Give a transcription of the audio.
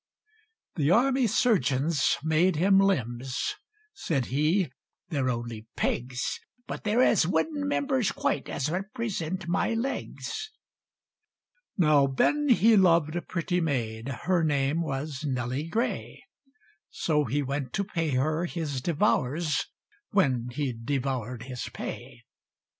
The army surgeons made him limbs: Said he, "They're only pegs: But there's as wooden members quite, As represent my legs!" Now Ben he loved a pretty maid, Her name was Nelly Gray; So he went to pay her his devours, When he'd devour'd his pay!